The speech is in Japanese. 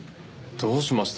どうしました？